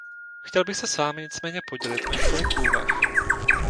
Chtěl bych se s vámi nicméně podělit o několik úvah.